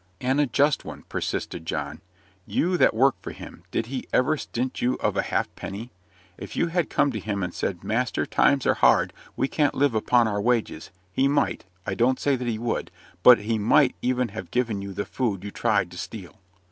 "And a just one," persisted John. "You that work for him, did he ever stint you of a halfpenny? If you had come to him and said, 'Master, times are hard, we can't live upon our wages,' he might I don't say that he would but he MIGHT even have given you the food you tried to steal."